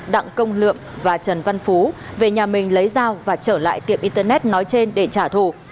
đặng công lượm và trần văn phú về nhà mình lấy dao và trở lại tiệm internet nói trên để trả thù